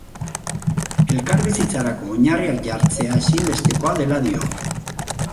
Elkarbizitzarako oinarriak jartzea ezinbestekoa dela dio.